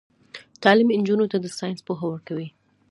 تعلیم نجونو ته د ساينس پوهه ورکوي.